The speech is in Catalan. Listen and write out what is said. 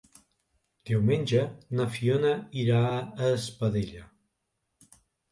Diumenge na Fiona irà a Espadella.